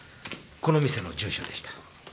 この店の住所でした。